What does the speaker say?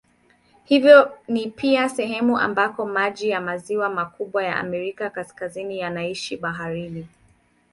Hivyo ni pia sehemu ambako maji ya maziwa makubwa ya Amerika Kaskazini yanaishia baharini.